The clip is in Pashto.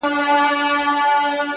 • تا ولي په سوالونو کي سوالونه لټوله ـ